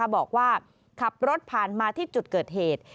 บอกว่าขับรถผ่านมาที่จุดเกิดเหตุ